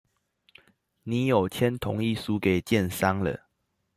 你有簽同意書給建商了